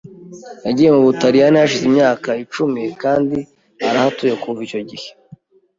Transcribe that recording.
Yagiye mu Butaliyani hashize imyaka icumi kandi arahatuye kuva icyo gihe .